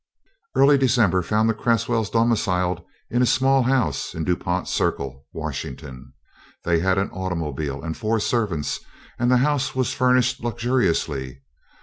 Early December found the Cresswells domiciled in a small house in Du Pont Circle, Washington. They had an automobile and four servants, and the house was furnished luxuriously.